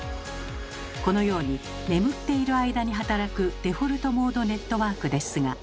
このように眠っている間に働くデフォルトモードネットワークですが。